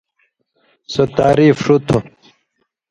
سو تعریف ݜُو تُھو،